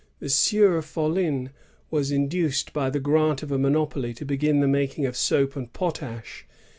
The Sieur Follin was induced by the grant of a monopoly to begin the making of soap and potash.'